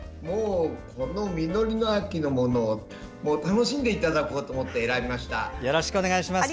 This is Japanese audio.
この実りの秋のものを楽しんでいただこうと思って選びました。